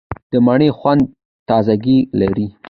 د مڼې خوند تازهګۍ لري.